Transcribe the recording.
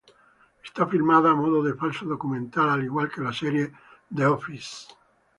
Está filmada a modo de falso documental, al igual que la serie "The Office".